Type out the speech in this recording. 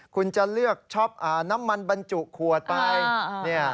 คุณจะเลือกช็อปน้ำมันบรรจุขวดไป